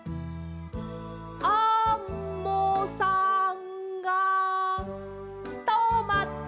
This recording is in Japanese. アンモさんがとまった！